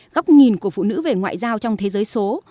góc nhìn của phụ nữ về ngoại giao trong thế giới số